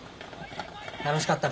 楽しかったか？